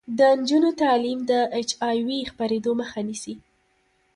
د نجونو تعلیم د اچ آی وي خپریدو مخه نیسي.